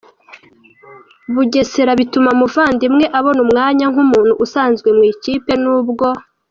Bugesera bituma Muvandimwe abona umwanya nk’umuntu usanzwe mu ikipe n'ubwo